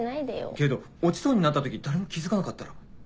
けど落ちそうになった時誰も気付かなかったら。